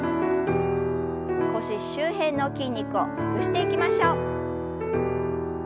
腰周辺の筋肉をほぐしていきましょう。